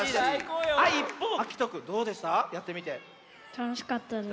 たのしかったです。